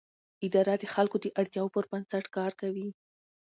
اداره د خلکو د اړتیاوو پر بنسټ کار کوي.